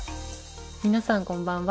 皆さんこんばんは。